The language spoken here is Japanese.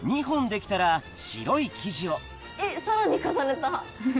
２本できたら白い生地をさらに重ねた！